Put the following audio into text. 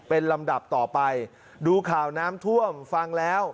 เป็นลำดับต่อไปดูข่าวน้ำท่วมฟังแล้ว